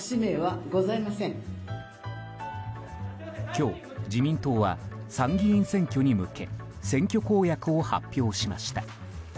今日、自民党は参議院選挙に向け選挙公約を発表しました。